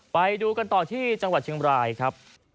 ไปดูกันต่อที่จังหวัดเชียงบรายครับ